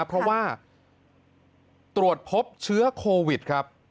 เพราะว่าตรวจพบเชื้อโควิดครับ